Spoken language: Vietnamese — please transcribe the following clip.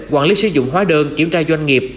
quản lý sử dụng hóa đơn kiểm tra doanh nghiệp